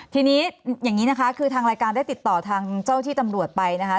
ทีนี้อย่างนี้นะคะคือทางรายการได้ติดต่อทางเจ้าที่ตำรวจไปนะคะ